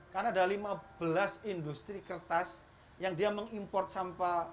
karena ada lima belas industri kertas yang dia mengimport sampah